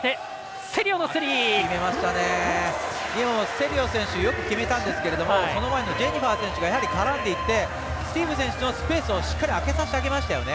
セリオ選手よく決めたんですがその前のジェニファー選手が絡んでいってスティーブ選手のスペースをあけさせてあげましたよね。